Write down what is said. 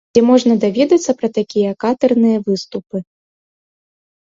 Дзе можна даведацца пра такія катэрныя выступы.